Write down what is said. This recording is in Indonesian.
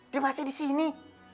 dia masih di sini